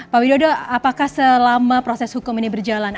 pak widodo apakah selama proses hukum ini berjalan